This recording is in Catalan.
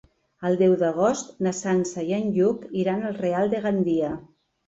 El deu d'agost na Sança i en Lluc iran al Real de Gandia.